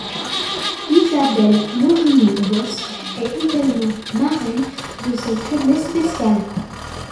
Isabelle Morini Bosc est également marraine de cette journée spéciale.